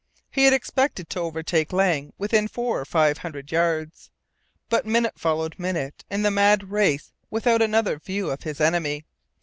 He had expected to overtake Lang within four or five hundred yards; but minute followed minute in the mad race without another view of his enemy.